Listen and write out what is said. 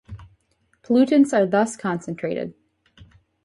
Pollutants are thus concentrated.